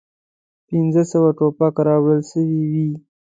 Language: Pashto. پنځه سوه توپک راوړل سوي وې.